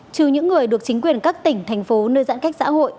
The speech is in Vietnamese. trừ những người được chính quyền các tỉnh thành phố nơi giãn cách xã hội